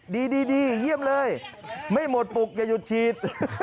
ดีเยี่ยมเลยไม่หมดปลุกอย่าหยุดฉีด